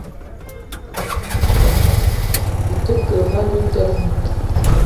Byi te ke ve aloutere mou ?